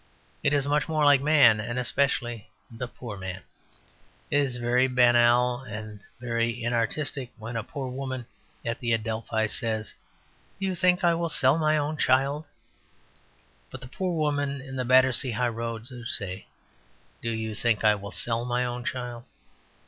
It is much more like man, and especially the poor man. It is very banal and very inartistic when a poor woman at the Adelphi says, "Do you think I will sell my own child?" But poor women in the Battersea High Road do say, "Do you think I will sell my own child?"